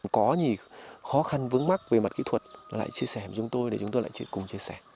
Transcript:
có nhiều khó khăn vướng mắt về mặt kỹ thuật lại chia sẻ với chúng tôi để chúng tôi lại cùng chia sẻ